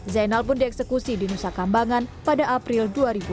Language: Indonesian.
zainal pun dieksekusi di nusa kambangan pada april dua ribu dua puluh